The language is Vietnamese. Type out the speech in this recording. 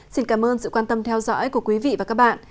xin cảm ơn sự quan tâm theo dõi của quý vị và các bạn